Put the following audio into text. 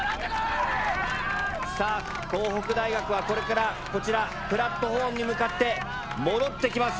さあ東北大学はこれからこちらプラットホームに向かって戻ってきます。